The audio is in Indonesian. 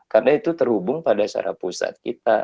karena itu terhubung pada syaraf pusat kita